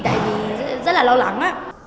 tại vì rất là lo lắng